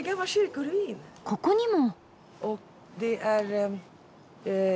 ここにも！